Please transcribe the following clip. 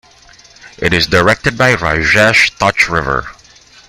It is directed by Rajesh Touchriver.